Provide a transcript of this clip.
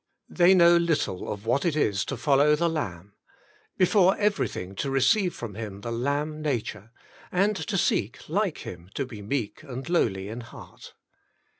They know little of what it is to follow the Lamb; before everything to receive from Him the lamb nature, and to seek like Him to be meek and lowly in heart.